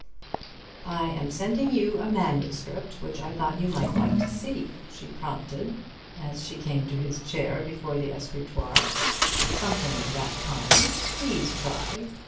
"I am sending you a manuscript which I thought you might like to see," she prompted as she came to his chair before the escritoire. "Something of that kind. Please try.